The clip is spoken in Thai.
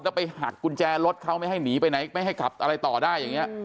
แล้วไปหักกุญแจรถเขาไม่ให้หนีไปไหนไม่ให้ขับอะไรต่อได้อย่างนี้